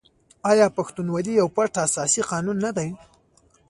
آیا پښتونولي یو پټ اساسي قانون نه دی؟